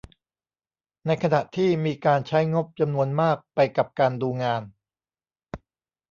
ในขณะที่มีการใช้งบจำนวนมากไปกับการดูงาน